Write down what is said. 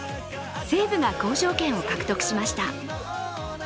西武が交渉権を獲得しました。